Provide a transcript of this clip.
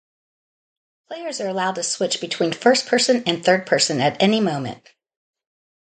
Players are allowed to switch between first-person and third-person at any moment.